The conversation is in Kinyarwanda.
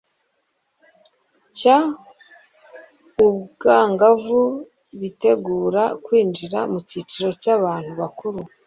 cy'ubwangavu bitegura kwinjira mu kiciro cy'abantu bakuru